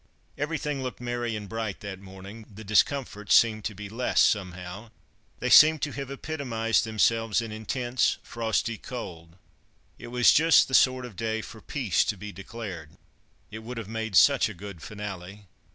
Everything looked merry and bright that morning the discomforts seemed to be less, somehow; they seemed to have epitomized themselves in intense, frosty cold. It was just the sort of day for Peace to be declared. It would have made such a good finale.